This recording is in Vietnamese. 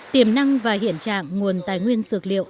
tiềm năng và hiện trạng nguồn tài nguyên dược liệu